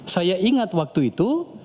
saya ingat waktu itu